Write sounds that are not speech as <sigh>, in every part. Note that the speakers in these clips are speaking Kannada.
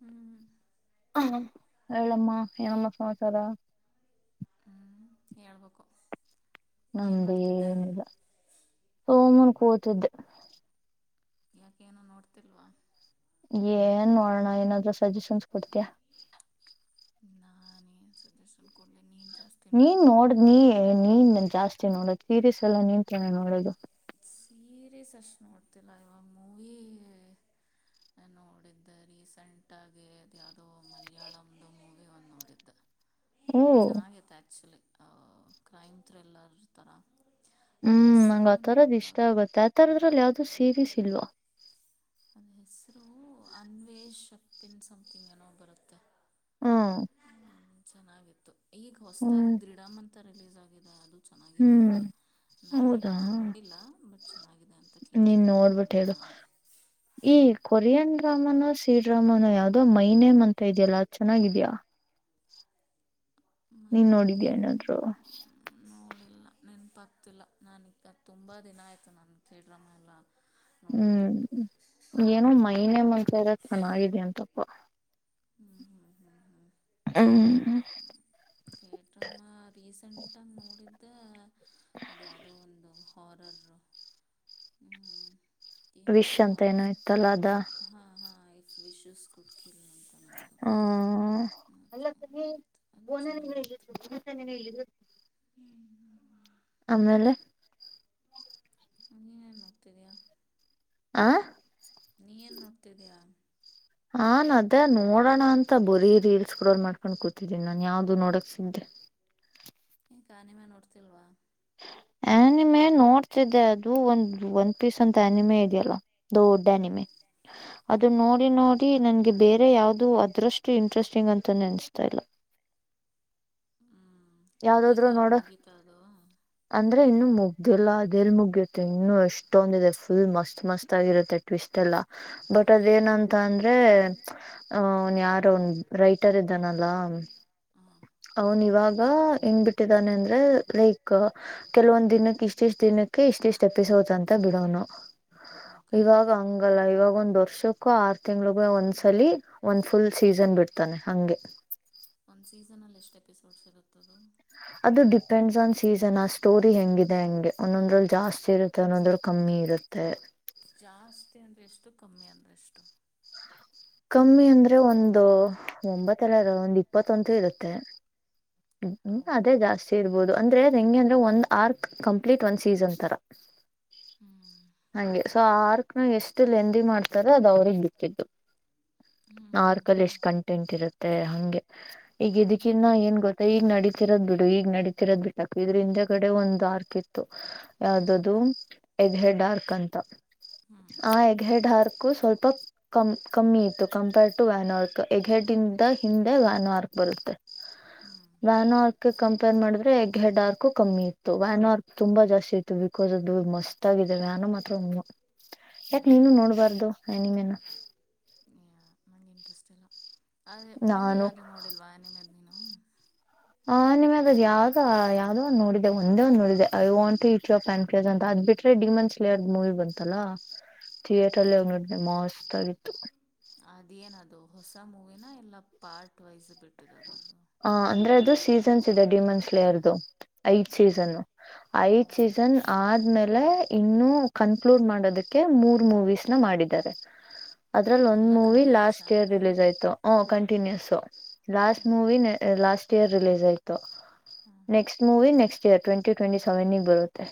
ಹ್ಮ್ ಹ ಹೇಳಮ್ಮ ಏನಮ್ಮ ಸಮಾಚಾರ. ಹೂ ಹೇಳ್ಬೇಕು. ಏನ್ ಮಾಡ್ತಿದ್ದೆ ನಂದೇನೂ ಇಲ್ಲ <unintelligible> ಕೂತಿದ್ದೆ. ಯಾಕೆ ಏನು ನೋಡ್ತಿಲ್ವಾ. ಏನ್ ನೋಡೋಣ ಏನಾದರೂ ಸಜೆಷನ್ಸ್ ಕೊಡ್ತೀಯಾ. ನಾನ ಏನ್ ಸಜೆಶನ್ ಕೊಡ್ಲಿ ನಿನ್. ನೀನ್ ನೋಡ್ದ ನೀ ನೀನು ಜಾಸ್. ಚ್ಚೇ ನೋಡದು ಸೀರೀಸ್ ಎಲ್ಲ ನೀವ್ಕೆನ ನೋಡೋದು. ಸೀರೀಸ್ ಅಷ್ಟ ನೋಡ್ತಿಲ್ಲ ಇವಾಗ ಮೂವಿ ಎ ನೋಡಿದ್ದ ರೀಸೆಂಟ್ ಆಗಿ ಅದು ಯಾದೋ ಮಲಯಾಳ್ದು ಮೂವಿ ಒಂದ ನೋಡಿದ್ದ. ಓ ಚೆನ್ನಾಗ ಇತ್ತು ಆ್ಯಕ್ಚುಲಿ. ಅವವ ಕ್ರೈಮ್ ಥ್ರಿಲ್ಲರ್ ಥರಾ. ಹ್ಮ್ ನಂಗ ಆಥರದ ಇಷ್. ಥ ಗೊತ್ಯಾತರದ್ರಲ್ಲ ಯಾವ್ದು ಸೀರೀಸ್ ಇಲ್ವೊ. ಅಂನ ಹೆಸ್ರು ಅನ್ವೇಷಪ್ಪಿನ್ ಸಮಥಿಂಗ್ ಏನೋ ಬರುತ್ತೆ. ಅವ್. ಛನ್ನಾಗ ಇತ್ತು. ಈಗ ಹೊಸತ್ದಾ ದೃಿಡಮ ಅಂತ ರಿಲೀಸ್ ಆ. ಇದಾ ಅದು. ಛನ್ನಾಗಿದೆ ಹ್ಮ್ ಅಂತೆ ನಾ ಹೌದಾ ನಿನ್ನ ನೋಡಿಲ್ಲಾ ಬಟ್ ಛೆನ್ನಾಗಿದೆ ಅಂತ ನೀನ್ ಕೇಳಿದ್ದೀನಿ ನೋಡ್ಬಿಟ್ಟು ನೋಡ್ಬೇಕ ಹೇಳು ನಾನ್. ಈ ಕೊರಿಯನ್ ಡ್ರಾಮಾನೋ ಸಿ ಡ್ರಾಮಾನೋ ಯಾವ್ದೋ ಮೈ ನೇಮ್ ಅಂಥೆ ಇದೆಯಲ್ಲಾ ಛೆನ್ನಾಗ ಇದೆಯ್ಯಾ. ನೀನ್ ಮೈನೆ ನೋಡಿದೀ ಏನಾದ್ರೋ. ಇಲ್ಲಾ ನೆನ್ಪ ಆಗ್ತಿಲ್ಲಾ ನಾನ ಇಗಾಗ್ಗ ತುಂಬಾ ದಿನಾ ಆಯ್ತು ನನ್ಥೆ ಡ್ರಾಮಾ ಎಲ್ಲಾ. ಹ್ಮ್ ಏನೋ ಮೈನೆಮ. ಚರಕ ನಾಯಿದ ಏನ ತಪ್ಪೊ. ಹ್ಮ್ ಕೇಟ್ರಮ್ಮ ರೀಸೆಂಟ್ಗ ನೋಡಿದ್ದ ಅದ ಯಾದೋ ಒಂದೊ. ಹ್ವಾರರ್ ರೂ ಅಹ್ಹಹ್ಮ್. ವಿಶ್ ಅಂತ ಏನು ಇತ್ತ್ ಅಲ್ಲ ಅದ. ವಿಶೂಸ್ಸ ಕುಟ್ಕಿಲ ನಮ್. ಹ್ಹಹ್ ಅದು ನೋಡಿದ್ದು ಅದು ಚೆನ್ನಾಗಿತ್ತು <unintelligible> ಆಮ್ಮೇಲೆ. ಹ್ಮ ನೀನ್ ಏನ್ ಮಾಡ್ತಿದಿಯಾ. ಆಹ್ಹಾ. ನೋಡ್ತಿದೀಯಾ ಹಾನ ಅದ ನೋಡೋಣ ಅಂತ ಬರೀ ರೀಲ್ಸ್ ಸ್ಕ್ರಾಲ್ ಮಾಡ್ಕೊಂಡ್ ಕೂತಿದ್ದೀನಿ ನಾನ್ ಯಾವ್ದು ನೋಡಕ್ ಸಿದ್ಧೆ. ಯೆಕಾ ಅನಿಮೇ ನೋಡ್ತಿಲ್ವಾ. ಅ್ಯನಿಮೆ ನೋಡ್ತಿದ್ದೆ ಅದು ಒಂದ್ ಒಂದ್ ಪೀಸ್ ಅಂತ ಅ್ಯನಿಮೆ ಇದೆಯಲ್ಲಾ. ದೊಡ್ಡ ಹ್ಞೂ ಅ್ಯನಿಮೆ ಅದು ಹ್ಞೂ ನೋಡಿ ನೋಡ. ತ್ತಿ ನನ್ಗೆ ಬೇರೆ ಯಾವುದು ಅದ್ರಷ್ಟ ಇಂಟ್ರೆಸ್ಟಿಂಗ್ ಅಂತಾನೆ ಅನ್ಸ್ತಾ ಇಲ್ಲಾ. ಹ್ಮ್ ಅದೀಗ ಮುಗಿತಾ ಅದು. ಅಂದ್ರೆ ಇನ್ನು ಮುಗ್ದಿಲ್ಲ ಅದೆಲ್ಲಿ ಮುಗಿಯುತ್ತೆ ಇನ್ನು ಎಷ್ಟೊಂದಿದೆ ಫುಲ್ ಮಸ್ತ್ ಮಸ್ತ್ ಆಗಿರುತ್ತೆ ಟ್ವಿಸ್ಟ್ ಎಲ್ಲ ಬಟ್ ಟ್ಟದ ಏನಂತ ಅಂದ್ರೆ ಅ ಅವನ್ ಯಾರ ಅವನ್ ರೈಟರ್ ಇದ್ದಾನಲ್ಲ ಹಾಂ ಅವನ್ ಇವಾಗ ಹೆಂಗ ಬಿಟ್ಟಿದಾನೆ ಅಂದ್ರೆ ಲೖಕ್ ಕು ಕೆಲವೊಂದ್ ದಿನಕ್ಕೆ ಇಷ್ಟ್ ಇಷ್ಟ್ ದಿನಕ್ಕೆ ಇಷ್ಟ್ ಇಷ್ಟ್ ಎಪಿಸೋಡಂತ ಬಿಡೋನು. ಓಕೆ ಇವಾಗ ಹಂಗಲ್ಲ ಇವಾಗ ಒಂದ್ ವರ್ಷ ಕೋ ಆರ್ ತಿಂಗಳಗ ಒಂದ್ಸಲಿ ಒಂದ್ ಫುಲ್ ಸೀಸನ್ ಬಿಡ್ತಾನೆ ಹಂಗೆ. ಒಂದು ಸೀಸನಲ್ಲಿ ಎಷ್ಟು ಎಪಿಸೋಡ್ಸ್ ಇರುತ್ತದು? ಅದು ಡಿಪೆಂಡ್ಸ್ ಆನ್ ಸೀಸನ್ ಆ ಸ್ಟೋರಿ ಹೆಂಗಿದೆ ಹಂಗೆ ಒಂದೊಂದ್ರಲ್ಲಿ ಜಾಸ್ತಿ ಇರುತ್ತೆ ಒಂದೊಂದ್ರಲ್ಲಿ ಕಮ್ಮಿ ಇರುತ್ತೆ. ಜಾಸ್ತಿ ಅಂದರೆಷ್ಟು ಕಮ್ಮಿ ಅಂದರೆಷ್ಟು? ಕಮ್ಮಿ ಅಂದ್ರೆ ಒಂದು ಒಂಬತ್ತಲ್ಲ ಅದು ಒಂದ್ ಇಪ್ಪತ್ತಂತೂ ಇರುತ್ತೆ. ಹ್ಮ್ ಓ ಅದೇ ಜಾಸ್ತಿ ಇರ್ಬೋದು. ಅಂದ್ರೆ ಅದೆಂಗೆ ಅಂದ್ರೆ ಒಂದ್ ಆರ್ಕ್ ಕಂಪ್ಲೀಟ್ ಒಂದ್ ಸೀಸನ್ ತರ. ಹ್ಞೂ ಹಂಗೆ ಸೊ ಆರ್ ಕು ಎಷ್ಟು ಲೆಂದಿ ಮಾಡ್ತಾರೊ ಅದವ್ರಿಗೆ ಬಿಟ್ಟಿದ್ದು. ಹ್ಞೂ ಹ್ಞೂ ಮಾರ್ಕಲ್ಲಿ ಹ್ಞೂ ಎಷ್ಟು ಕಂಟೆಂಟಿರುತ್ತೆ ಹಂಗೆ. ಈಗ ಇದಕ್ಕಿನ್ನ ಏನ್ ಗೊತ್ತಾ ಈಗ ನಡೀತಿರೋದ್ ಬಿಡು ಈಗ್ ನಡೀತಿ ತ್ತಿರದ್ ಬಿಟ್ಟಾಕ್ ಇದ್ರಿಂದಗಡೆ ಕಡೆ ಒಂದು ಆರ್ಕ್ ಇತ್ತು. ಹ್ಞೂ ಯಾವ್ದದು ಹೆಡ್ ಹೆಡಾರ್ಕ್. ಕ್ಕಂತ ಹ್ಞೂ ಹ್ಞೂ ಆ ಎಗ್ಹೆೇಡ್ ಹಾರ್ ಕೂ ಸ್ವಲ್ಪ ಕಮ್ ಕಮ್ಮಿ ಇತ್ತು ಕಂಪೇರ್ಡ್ ಟು ವ್ಯಾನ್ ಆರ್ಕ್ ಎಗ್ಹಡ್ಂದ ಹಿಂದೆ ವ್ಯಾನ್ ಆರ್ಕ್ ಬರುತ್ತೆ, ಹ್ಞೂ ವ್ಯಾನ ಆರ್ಕ್ ಕಂಪೇರ್ ಮಾಡಿದ್ರೆ ಎಗ್ಹಡ್ ಆರ್ಕ್ ಕಮ್ಮಿ ಇತ್ತು, ವ್ಯಾನ ಆರ್ಕ್ ತುಂಬಾ ಜಾಸ್ತಿ ಇತ್ತು, ಬಿಕಾಸ್ ಅದು ಮಸ್ತ್ ಆಗಿದೆ ವ್ಯಾನೋತ್ರ ಯಾಕೆ ನೀನು ಹ್ಞೂ ನೋಡಬಾರ್ದು ಅನಿಮೀನ. ನಂಗಿಂಟ್ರಸ್ಟ್ ಇಲ್ಲ. ಅದ ಮೂವಿ ನಾನು ಯಾವ್ದು ನೋಡಿಲ್ವಾ ಅನಿಮ ಆನಿಮ್ಯಾಗ ಅದ್ ಯಾವ್ದೊ ಯಾವ್ದೋ ಒಂದ್ ನೋಡಿದ್ದೆ ಒಂದೇ ಒಂದ್ ನೋಡಿದ್ದೆ I want to eat your pancreas ಅಂತ ಅದ್ ಬಿಟ್ರೆ ಡಿಮನ್ಸ್ಲೇಯರ್ ಮೂವಿ ಬಂತಲ್ಲ ಥಿಯೇಟರಲ್ಲೆ ಹ್ಞೂ ಹೋಗ್ನೋಡ್ದೆ ಮಸ್ತಾಗಿತ್ತು. ಸ ಮೂವಿನ ಇಲ್ಲಾ ಪಾರ್ಟ್ ವೈಸು ಬಿಟ್ ಹ ಅಂದ್ರೆ ಅದು ಸೀಸನ್ ಇದೆ ಡಿಮನ್ಸ್ಲೇರ್ದು ಐದ್ ಹ್ಞೂ ಸೀಸನ್ನು ಹಾಂ ಐದ್ ಸೀಸನ್ ಆದ್ಮೇಲೆ ಇನ್ನು ಕನ್ಕ್ಲೂಡ್ ಮಾಡೋದಕ್ಕೆ ಮೂರ್ ಮೂವೀಸ್ನ ಮಾಡಿದ್ದಾರೆ. ಅದ್ರಲ್ಲಿ ಒಂದ್ ಎಲ್ಲ ಮೂವಿ ಲಾಸ್ಟ್ ಇಯರ್ ಕಂಟಿನ್ಯೂಷನೇನಾ ರಿಲೀಸ್ ಆಯ್ತು ಹ ಕಂಟಿನ್ಯೂಸ್. ಲಾಸ್ಟ್ ಹಾಂ ಮೂವಿ ಲಾಸ್ಟ್ ಇಯರ್ ರಿಲೀಸ್ ಆಯ್ತು ಹಾಂ next movie next year twenty ಟ್ವೆಂಟಿಸೆವೆನ್ನಿಗ್ಬರುತ್ತೆ.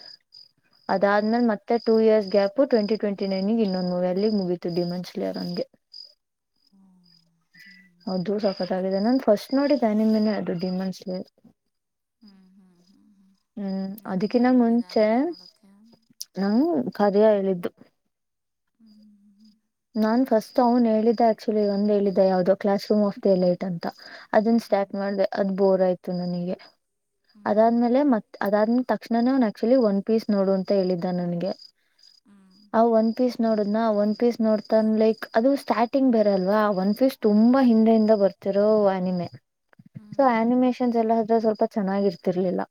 ಹಾಂ ಅದಾದ್ಮೇಲೆ ಹಾಂ ಮತ್ತೆ two years gap twenty twenty ನೈನ್ಗೆ ಇನ್ನೊಮೂ ಅಲ್ಲಿ ಮುಗೀತ ಡೆಮಾನ್ಸ್ಲೇರ್ ಹಂಗೆ ಹ್ಞೂ ಹ್ಞೂ ಅದು ಸಖತ್ಗಿದೆ ನಾನು ಫಸ್ಟ್ ನೋಡಿದ್ದೆ ನಿಮನ್ನ ಅದು ಡಿಯಾಮೊನ್ಸ್ಲೈರ್ ಹ್ಮ್ ಹ್ಮ್ ಹ್ಮ್ ಹ್ಮ್ ನಿನಗ್ ಅದಕ್ಕಿನ್ನ ಯಾರು ಹೇಳಿದ ಮುಂಚೆ ಅನಿಮೆ ನೋಡೋಕ್ಕೆ ನಾ ಖದ್ಯ ಹೇಳಿದ್ <inaudible> ಹ್ಮ್ ಹ್ಮ ನಾನ್ ಫಸ್ಟ್ ಅವನ್ ಹೇಳಿದ್ದ ಆಕ್ಚುಲಿ ಒಂದ್ ಹೇಳಿದ್ದೆ ಯಾವ್ದೋ class room of the light ಅಂತ ಅದನ್ ಸ್ಟಾರ್ಟ ಹ್ಮ್ ಮಾಡ್ದ ಅದು ಬೋರ್ ಆಯ್ತು ತ್ತು ನನಗೆ ಹ್ಮ್ ಹ್ಮ್ ಅದಾದ್ಮೇಲೆತ್ ಅದಾದ್ಮ ತಕ್ಷಣೇ ಅವನ್ ಆಕ್ಚುಲಿ ಒಂದ್ ಪೀಸ್ ನೋಡ ಅಂದ ಹೇಳಿದ್ದ ನಂಗೆ ಹ್ಮ್ ಆ ಒನ್ಪೀಸ್ ನೋಡಿದ್ದನ ಒನ್ಪೀಸ್ ನೋಡ್ತಾನ ಲೈಕ್ ಅದು ಸ್ಟಾರ್ಟಿಂಗ್ ಬೇರೆ ಅಲ್ವಾ ಒನ್ಪೀಸ್ ತುಂಬಾ ಹಿಂದೆ ಹಿಂದೆ ಬರ್ತಿರೋ ಆನಿಮೆ ಸೊ ಹ್ಮ್ ಆನಿಮೇಶಷನ್ಸ್ ಎಲ್ಲಾ ಇದ್ರೆ ಸ್ವಲ್ಪ ತ ಚೆನ್ನಾಗಿರ್ತಿರ್ಲಿಲ್ಲ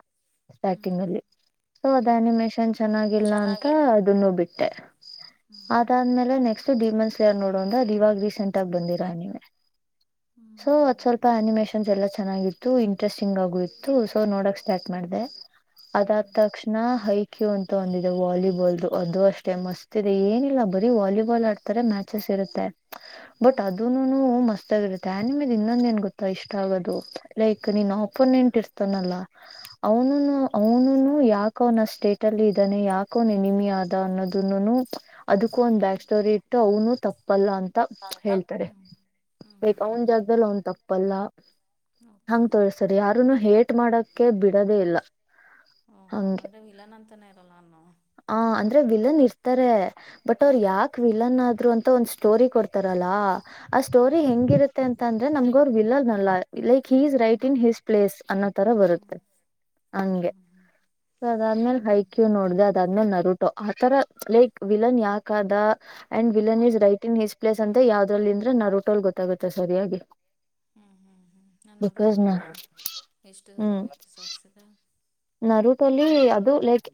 ಸ್ಟಾರ್ಟಿಂಗ್ ಹ್ಮ್ ಅಲ್ಲಿ ಸೊ ಅದ ಹ್ಮ್ ಹ್ಮ್ ಅನಿಮೇಶನ್ ಚೆನ್ನಾಗಿಲ್ಲ ಅಂತ ಅದನ್ನು ನೋ ಬಿಟ್ ಟೇ ಹ್ಮ್ ಹ್ಮ್ ಅದಾದ್ಮೇಲೆ ನೆಕ್ಸ್ಟ್ ಡಿಮಾನ್ಸ್ಲೇಯರ್ ನೋಡೋಂದ ಇವಾಗ ರೀಸೆಂಟ್ ಆಗಿ ಬಂದಿರಾ ನೀವ್ ಹ್ಮ್ ಸೊ ಅದ್ಸ್ವಲ್ಪ ಅನಿಮೇಷನ್ಸ್ ಎಲ್ಲಾ ಚೆನ್ನಾಗಿತ್ತು ಇಂಟ್ರೆಸ್ಟಿಂಗ್ ಆಗು ಇತ್ತು ನೋಡಕ್ ಸ್ಟಾರ್ಟ್ ಮಾಡಿದೆ ಅದಾದ ಹ್ಮ್ ಆದ ತಕ್ಷಣ ಹೈ ಕ್ಯೂ ಅಂತ ಒಂದಿದೆ ವಾಲಿಬಾಲ್ದು ಅದು ಅಷ್ಟೇ ಮಸ್ತ್ ಇದೆ ಏನಿಲ್ಲ ಬರೀ ವಾಲಿಬಾಲ್ ಆ ತರ ಮ್ಯಾಚಸ್ ಇರುತ್ತೆ ಬಟ್ ಹ್ಮ್ ಅದನುನು ಮಸ್ತ್ ಇರುತ್ತೆ ಆನಮೇ ಇನ್ನೊಂದ ಏನ್ ಗೊತ್ತಾ ಇಷ್ಟ ಆಗೋದು ಲೈಕ್ ನಿನ್ ಹ್ಮ್ ಅಪೊನೆಂಟ್ ಇರ್ತಾನಲ್ಲ ಹ್ಮ್ ಅವನುನು ಅವನುನು ಯಾಕ ಅವನ ಸ್ಟೇಟ್ ಅಲ್ಲಿ ಇದ್ದಾನೆ ಯಾಕ ಅವನ್ ಎನಿಮಿ ಅದ ಅನ್ನೋದ ಅದಕ್ಕೂ ಒಂದ ಬ್ಯಾಕ್ ಸ್ಟೋರಿ ಅವ್ನುನು ತಪ್ಪು <unintelligible> ತಪ್ಪಲ್ಲ ಅಂತ ಹೇಳ್ತಾರೆ ಹ್ಮ್ ಹ್ಮ್ ಲೈಕ್ ಅವನ್ ಜಾಗದಲ್ಲಿ ಅವನ್ ತಪ್ಪ ಪಲ್ಲ ಓಕೆ ಹಂಗ ಹ್ಞೂ ತೋಳ್ಸರಿ ಯಾರುನು ಹೇ ಇ ಮಾಡಕ ಬಿಡೋದೆ ಇಲ್ಲ ಹ್ಞೂ ಹಂಗೆ ಅಂದರೆ ವಿಲನ್ ಅಂತಲೇ ಇರಲ್ಲ ಅವನು ಆ ಅಂದ್ರೆ ವಿಲನ್ ಇರ್ತ ತ್ತರ ಬಟ್ ಹ್ಞೂ ಅವರ್ ಯಾಕ್ವಿ ಆದ್ರೂ ಅಂತ ಒಂದ್ ಸ್ಟೋರಿ ಕೊಡ್ತಾರಲ್ಲಾ ಆ ಸ್ಟೋರಿ ಹ್ಞೂ ಹೆಂಗಿರುತ್ತೆ ಅಂತ ಅಂದ್ರೆ ನಮಗವ್ರ್ ವಿಲ್ಲನಲ್ಲ. ಲೈಕ್ ಹಿ ಇಸ್ ರೈಟ್ ಹ್ಞೂ ಇನ್ ಹಿಸ್ ಪ್ಲೇಸ್ ಅನ್ನೋ ತರ ಬರುತ್ತೆ ಹ್ಞೂ ಹ್ಞೂ ಹಂಗೆ ಹ್ಞೂ ಸೊ ಅದಾದ್ಮೇಲೆ ಹೈಕ್ಯೂ ನೋಡ್ದ ಅದ. ಇನ್ನನ್ನರುಟೋ ಆತರ ಲೈಕ್ ವಿಲನ್ ಯಾಕದ. And villain is right in his place. ಅಂತೆ ಯಾವ್ದ್ರಲ್ಲಿಂದ್ರೆ ನರುಟೋಲ್ ಗೊತ್ತಾಗುತ್ತೆ ಸರಿಯಾಗಿ. ಹ್ಮ್ ಹ್ಮ್ ಹ್ಮ್ ನ ಬಿಕಾಸ್ ನ ನನ್ನೊಬ್ಳ್ತವ ಎಷ್ಟು ಹ್ಮ್ ಎಪಿಸೋಡ್ಸ್ ಇದೆ. ನರೂಟೋಲಿ ಅದು ಲೈಕ್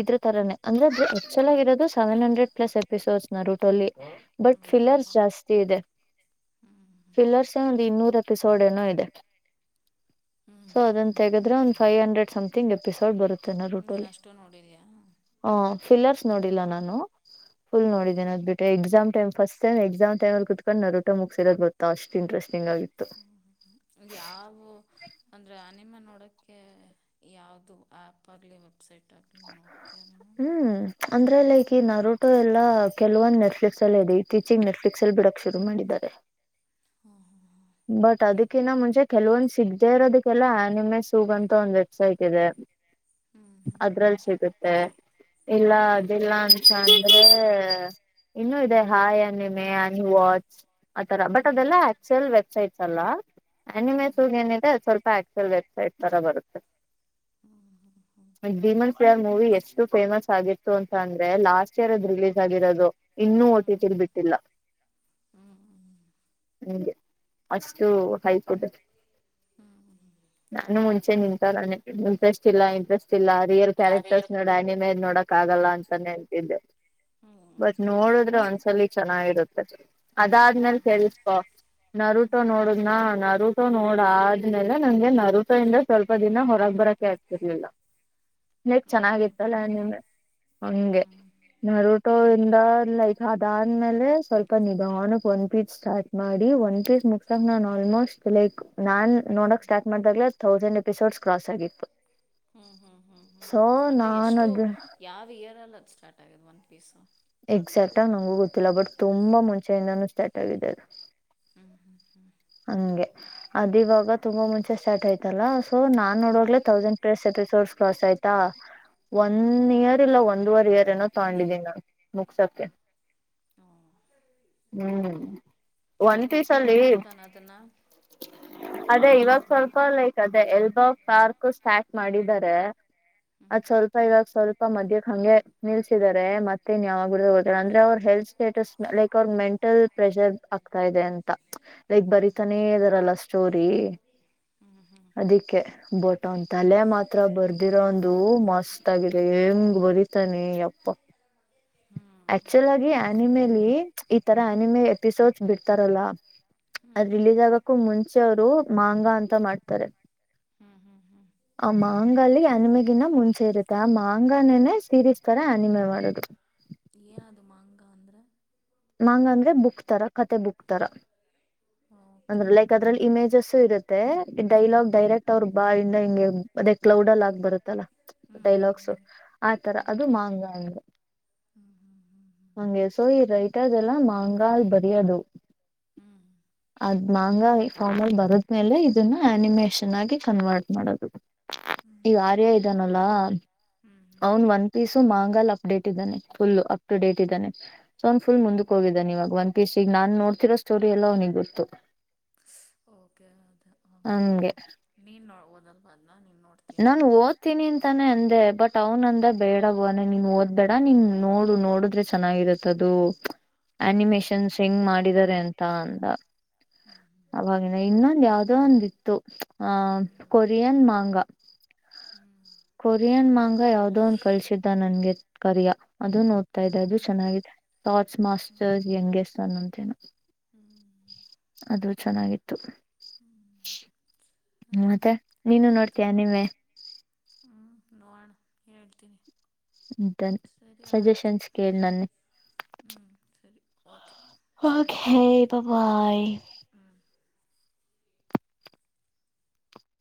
ಇದ್ರ ತರಾನೇ ಅಂದ್ರೆ ಆಕ್ಚುಲ್ ಆಗಿರೋದು ಸೆವೆನ್ ಹಂಡ್ರೆಡ್ ಪ್ಲಸ್ ಎಪಿಸೋಡ್ಸ್ ನರೂಟೋಲಿ. ಬಟ್ ಓಹೋ ಫಿಲ್ಲರ್ಸ್ ಹೋ ಜಾಸ್ತಿ ಇದೆ ಹ್ಞೂ ಫಿಲ್ಲರ್ಸ್ ಒಂದು ಇನ್ನೂರ ಎಪಿಸೋಡ್ ಏನೋ ಇದೆ. ಸೊ ಅದನ್ ಹ್ಞೂ ತೆಗದ್ರೆ ಒಂದ್ ಫೈವ್ ಹಂಡ್ರೆಡ್ <inaudible> ಎಪಿಸೋಡ್ ಬರುೆ ತ್ ನೀನು ನರುಟೋಲಿ ಅಷ್ಟು ನೋಡಿದೀಯಾ ಹ್ಞೂ ಹೂ ಅದ್.. ಫಿಲ್ಲರ್ಸ್ ನೋಡಿಲ್ಲ ನಾನು. ಫುಲ್ ಹ್ಞೂ ನೋಡಿದೇನೆ ಅದ್ ಬಿಿಟ್ಟು ಎಕ್ಸಾಮಂಪ್ ನಾನ್ ಫಸ್ಟ್ಮಮ್ ಎಕ್ಸಾಂ ಟೈಮಲ್ಲಿ ಕುತ್ಕೊಂಡ್ ನರುಟೊ ಮುಗಿಸಿರೋದು ಗೋತ್ತಾ ಅಷ್ಟ್ ಇಂಟ್ರೆಸ್ಟ್.. ಯಾವ ಅಂದ್ರೆ ನಿಮ್ಮ ನೋಡಕ ಯಾವ್ದ ಆಪ್ ಅಲ್ಲಿ ಇವತ್ತು ವೆಬ್ಸೈಟಲಿ ನೋಡ್ತೀಯಾ ನೀನು. ಹ್ಮ್ ಅಂದ್ರೆ ಲೈಕ್ ಈ ನರುಟೋ ಎಲ್ಲಾ ಕೆಲವೊಂದ್ ನೆಟ್ಫ್ಲಿಕ್ಸ್ ಅಲ್ಲಿದೆ ಈ ಇತ್ತಿಚೆಗಾ ನೆಟ್ಫ್ಲಿಕ್ಸ್ ಅಲ್ಲಿ ಬಿಡಕ್ ಶುರು ಮಾಡಿದ್ದಾರೆ. ಹ್ಞೂ ಬಟ್ ಅದಕ್ಕಿನ್ನ ಮುಂಚೆ ಕೆಲವೊಂದ ಸಿಗದೆೇ ಇರೋದಕ್ಕೆಲ್ಲ ಆನಿಮೆ ಸೂಗ್ ಅಂತ ಒಂದ್ ವೆಬ್ಸೈಟ್ ಇದೆ ಹ್ಞೂ ಹ್ಞೂ ಹ್ಞೂ ಅದ್ರಲ್ಲಿ ಸಿಗುತ್ತೆ ಹ್ಞೂ ಇಲ್ಲ ಹ್ಞೂ ಅಂತ ಅಂದ್ರೆ ಇನ್ನುೂ ಇದೆ ಹಾಯ್ ಆ್ಯನಿಮೆ ಅನೀ ವಾಚ್ ಆತರ ಬಟ್ ಹ್ಞೂ ಹ್ಞೂ ಹ್ಞೂ ಹ್ಞೂ ಹ್ಞೂ ಹ್ಞೂ ಹ್ಞೂ ಅದೆಲ್ಲ ಅಕ್ಟುಯಲ್ ವೆಬ್.. ವೆಬ್ಸೈಟಲ್ಲ ಅನಿಮೇ ಏನಿದೆ ಸ್ವಲ್ಪ ಆಕ್ಚ್ಯಲ್ ವೆಬ್ಸೈಟ್ ತರ ಬರುತ್ತೆ ಡಿಮನ್ ಫಿಯರ್ ಮೂವಿ ಎಷ್ಟು ಫೇಮಸ್ ಆಗಿ ತು ಅಂತಂದ್ರೆ ಲಾಸ್ಟ್ ಇಯರ್ ಅದು ರಿಲೀಸ್ ಆಗಿರದು. ಇನ್ನೂ ಓ ಹ್ಞೂ ಟ್ಟಿ ಟಿ ಲ್ಲಿ ಬಿಟ್ಟಿಲ್ಲ ಹ್ಞೂ ಹ್ಞೂ ಹ್ಮ್. ಅಷ್ಟು ಹೈಕುಟ್ಟ ನಾನು ಮುಂಚೆ ನಿಂತಾರನೆ ಇಂಟ್ರೆಸ್ಟ್ ಇಲ್ಲ ಇಂಟರೆಸ್ಟ್ ಇಲ್ಲ ರಿಯಲ್ ಕ್ಯಾರೆಕ್ಟರ್ ನೋಡ್ ಅನಿಮೇ ನೋಡಕ್ ಆಗಲ್ಲ ಸನ್ನೆ ಅಂತಿದ್ದ. ಹ್ಞೂ ಬಟ್ ನೋಡುದ್ರೆ ಒಂದ್ಸ ಚಲಿ ಚೆನ್ನಾಗಿರುತ್ತೆ. ಅದಾದ್ಮೇಲೆ ಕೇಳಿಸ್ಕೋ ಹ್ಞೂ ನರು ನೋಡದ್ನಾ ನರಟೋ ನೋಡ್ ಆದ್ಮೇಲೆ ನಂಗೆ ನರಟೋ ಇಂದ ಸ್ವಲ್ಪ ದಿನ ಹೊರಗ್ ಬರ. ನೋಡೋಕೆ ಆಗ್ತಿರ್ಲಿಲ್ಲ ನೆಕ್ ಹ್ಞೂ ಚೆನ್ನಾಗಿತ್ತಲ್ಲ ನಿಂಗೆ ನರಟೋ ಇಿಂದ ಲೈಕ್ ಅದಾದ್ಮೇಲೆ ಸ್ವಲ್ಪ. ನಿಧಾನಕ್ಕೆ ಒನ್ ಪೀಸ್ ಸ್ಟಾರ್ಟ್ ಮಾಡಿ ಒನ್ ಪೀಸ್ ಮುಗಿತಾ. ಹ ನ ಆಲ್ಮೋಸ್ಟ್. ಲೈಕ್ ನಾನ್ ನೋಡಕ್ ಸ್ಟಾರ್ಟ್ ಮಾಡ್ದಾಗ್ಲೆ ಥೌಸಂಡ್ ಎಪಿಸೋಡ್ಸ್ ಕ್ರಾಸ್ ಆಗಿತ್ತು ಹ್ಞೂ ಸೊ ಅಂದರೆ ನಾನ್ ಎಷ್ಟು ಅದ. ಪೀಸ್. ಎಕ್ಸಾಕ್ಟ್ ಆಗ್ ಗೊತ್ತಿಲ್ಲ ಬಟ್ ತುಂಬಾ ಮುಂಚೆಯಿಂದನು. ಸ್ಟಾರ್ಟ್ ಆಗಿದೆ ಅದು. ಹ್ಞೂ ಹ್ಞೂ ಹಂಗೆ. ಅದ ಇವಾಗ ತುಂಬಾ ಮುಂಚೆ ಸ್ಟಾರ್ಟ್ ಆಯ್ತಲ್ಲ ಸೊ ನಾನ್ ನೋಡವಾಗ್ಲೇ ತೌಸಂಡ್ ಪ್ಲಸ್ ಎಪಿಸೋಡ್ಸ್ ಕ್ರಾಸ್ ಆಯ್ತಾ. ಹ್ಞೂ ಹ್ಞೂ ಒನ್ ಇಯರ್ ಇಲ್ಲ ಒಂದುವರೆ ಇಯರ್. ಅದೇನೋ ತಗೊಂಡಿದೀನಿ ನಾನು. ಮುಗಿಸೋಕೆ. ಹ್ಞೂ ಹ್ಮ್ ಸೊ ಒಂದ್ ಈಗ ಪೀಸ ಮತ್ತೆ ಯಾವಾಗ ಅಲ್ಲಿ ಬಿಡ್ತಾನೆ ಅದನ್ನು ಅದೇ ಇವಾಗ ಸ್ವಲ್ಪ ಲೈಕ್ ಅದೇ ಎಲ್ ಬಾ ಪಾರ್ಕ್ ಸ್ಟಾರ್ಟ್ ಮಾಡಿದ್ದಾರೆ. ಸ. ಹ್ಞೂ ಅದ್ ಸ್ವಲ್ಪ ಇವಾಗ ಸ್ವಲ್ಪ. ಮಧ್ಯಕ್ಕೆ ಹಂಗೆ ನಿಲ್ಸಿದ್ದಾರೆ ಮತ್ತೆ. ಮತ್ತಿನ್ಯಾವಾಗ ಬಿಡ್ತಾರೆ ಗೊತ್ತಿಲ್ಲ ಅಂದ್ರೆ ಅವ್ರರು ಹೆಲ್ತ್ ಸ್ಟೇಟಸ್ ಲೈಕ್ ಅವ್ರಗ್ ಮೆಂಟಲ್ ಪ್ರೆಷರ್ ಆಗ್ತಾ ಇದೆ ಅಂತ. ಲೈಕ್ ಹ್ಞೂ ಹ್ಞೂ ಬರಿತಾನೆ ಇದದಾರಲ್ಲ ಸ್ಟೋರಿ ಹ್ಞೂ ಹ್ಞೂ ಹ್ಞೂ ಅದಿಕ್ಕೆ ಬಟ್ ಅವನ್ ತಲೆ ಮಾತ್ರ ಬರ್ದಿರೋ ಒಂದು ಮಸ್ತ್ ಆಗಿದೆ ಹೆಂಗ ಬರೀತಾನೆ ಯಪ್ಪಾ. ಆಕ್ಚುಲ್ ಆಗಿ ಆನಿಮೇಲಿ ಈ ತರ ಹ್ಞೂ ಹ್ಞೂ ಆನಿಮೆ ಎಪಿಸೋಡ್ಸ್ ಬಿಡ್ತಾರಲ್ಲ. ಹ. ಹ್ಞೂ ಅದ ರಿಲೀಸ್ ಆಗಕ್ಕೂ ಮುಂಚೆ ಅವ್ರು ಮಾಂಗ ಅಂತ ಮಾಡ್ತಾರೆ ಹ್ಞೂ ಹ್ಞೂ ಹ್ಞೂ ಅಮ್ಮಾ. ಮಾಂಗಾಲ ಆನಿಮೇ ಗಿನ ಮುಂಚೆ ಇರುತ್ತೆ ಆ ಮಾಂಗನನೆ ಸೀರೀಸ್ ತರ ಅನಿಮೆ ಮಾಡ್ತಾರೆ. ಏನದು ಮಾಂಗ ಅಂದ್ರೆ. ಮಂಗ ಅಂದ್ರೆ ಬುಕ್ಸ್ ತರಾ ಕತೆ ಬುಕ್ಸ್ ತರ. ಅಂದ್ರ ಓಕೆ ಲೈಕ್ ಹ್ಞೂ ಅದ್ರಲ್ಲಿ ಹ್ಞೂ ಇಮೇಜಸ್ ಇರುತ್ತೆ ಡೈಲಾಗ್ ಡೈರೆಕ್ಟ್ ಅವ್ರ ಬಾಯಿಂದ ಹಿಂಗೆ ಅದೇ ಕ್ಲೌಡ್ ಅಲ್ ಹ್ಞೂ ಹ್ಞೂ ಆಗ್ ಬರುತ್ತಲ್ಲ ಹ್ಞೂ ಹ್ಞೂ ಹ್ಞೂ ಹ್ಞೂ ಡೈಲಾಗ್ಸ ಆತರ ಹ್ಞೂ ಅದು ಮಂಗಾ ಹ್ಞೂ ಹಂಗೆ ಸೊ ಈ ರೈಟರ್ ಎಲ್ಲ ಮಂಗಾ ಅಲಿ ಬರಿಯೋದು. ಅದ್ ಮಾಂಗ ಫಾರ್ಮ ಅಲ್ ಬರದ್ಮೇಲೆ ಇದನ್ನ ಅನಿಮೇಷನ್. ಚೆನ್ನಾಗಿ ಕನ್ವರ್ಟ್ ಮಾಡೋದು ಹ್ಞೂ ಈಗ ಹ್ಞೂ ಹ್ಞೂ ಆರ್ಯ ಇದಾನಲ್ಲ ಹ್ಮ್ ಅವನ್ ಒಂದ ಪೀಸು ಮಾಂಗಲ್ ಅಪ್ಡೇಟ್ ಇದ್ದಾನೆ. ಫುಲ್ಲು ಅಪ್ ಟು ಡೇಟ್ ಇದ್ದಾನೆ. ಅವನ್ ಫುಲ್ ಮುಂದಕ್ಕೆ ಹ್ಮ್ ಹೋಗಿದ್ದಾನ ಈವಾಗ ಒಂದು. ಪಿಸಿ ನನ್ ನೋಡ್ತಿರೋ ಸ್ಟೋರಿ ಎಲ್ಲ ಅವನಿಗೆ ಗೊತ್ತು. ತು. ಓಕೆ ಅದು ಹಾಂ ಹಾಂ ಹಂಗೆ ಹಾಂ ನೀನು ನೋ ಓದಲ್ವಾ ಅದನ್ನ ನೀನು ನೋಡ್ತೀಯಾ ನಾನು ಓದ್ತೀನಿ ಅಂತಾನೆ ಅಂದೆ ಬಟ್ ಅವನಂದ ಬೇಡ ಬ ಅನ ನೀನ್ ಓದ್ಬೇಡ ನೀನ್ ನೋಡು ನೋಡುದ್ರೆ ಚೆನ್ನಾಗಿರತ್ತ ಅದು ಹ್ಞೂ ಆನಿಮೇಶನ್ಸ್ ಹೆಂಗ್ ಮಾಡಿದಿದ್ದಾರೆ ಅಂತ ಅಂದ. ಹ್ಞೂ ಅವವಾಗಿನ ಹ್ಞೂ ಇನ್ನೊಂದ್ ಯಾವ್ದೋ ಒಂದಿತ್ತು ಆಹ ಹ್ಞೂ ಕೊರಿಯನ್ ಮಾಂಗ ಹ್ಞೂ ಕೊರಿಯನ್ ಮಾಂಗ ಯಾವ್ದೋ ಒಂದ್ ಕಳಸಿದ್ದ ನನ್ಗೆ. ಕರಿಯಾ. ಅದು ನೋಡ್ತಾ ಇದೆ ಅದು ಚೆನ್ನಾಗಿದೆ ಟೌಗ್ಟ್ಸ್ ಮಾಸ್ಟರ್ ಹ್ಞೂ ಯಂಗೆಸ್ಟ್ ಅನ್ನಂತೇ ನ ಅದು ಚೆನ್ನಾಗಿತ್ತು. ಹ್ಞೂ ಹ್ಞೂ ಸರಿ ಮತ್ತೆ ನೀನು ಆಯಿತು ನೋಡ್ತೀಯಾ ಅನಿಮೆ. ಹ್ಞೂ ನೋಡೋಣ ಹೇಳ್ತೀನಿ. ಡನ್ ಸರಿ ಆಯಿತು ಸಜೆಷನ್ ಕೇಳಿ ನನ್ನ ಒಕ್ಕ್. ಹ್ಞೂ ಸರಿ ಓಕೆ ಓಕೆ ಬಾಯ್. ಹ್ಮ್.